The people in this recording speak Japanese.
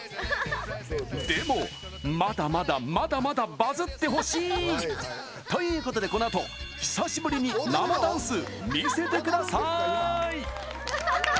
でも、まだまだ、まだまだバズってほしい！ということでこのあと久しぶりに生ダンス見せてくださーい！